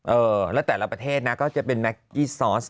เออแล้วแต่ละประเทศนะก็จะเป็นนักกี้ซอส